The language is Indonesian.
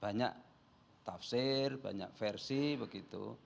banyak tafsir banyak versi begitu